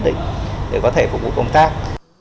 để có thể phục vụ công tác